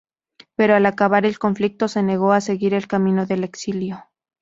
Pero al acabar el conflicto se negó a seguir el camino del exilio.